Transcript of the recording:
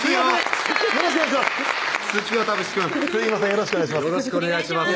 よろしくお願いします